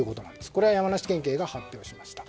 これ、山梨県警が発表しました。